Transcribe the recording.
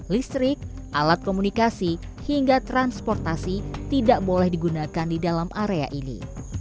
listrik alat komunikasi hingga transportasi tidak boleh digunakan di dalam area ini